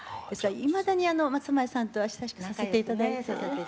いまだに松前さんとは親しくさせていただいて。